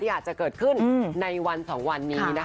อาจจะเกิดขึ้นในวัน๒วันนี้นะคะ